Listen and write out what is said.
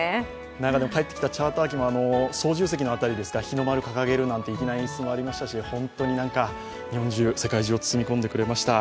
帰ってきたチャーター機も操縦席のあたりで日の丸掲げるなんて粋な演出もありましたし、日本中、世界中を包み込んでくれました。